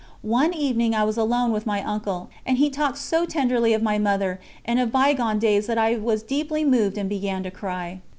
One evening I was alone with my uncle, and he talked so tenderly of my Mother and of bygone days that I was deeply moved and began to cry.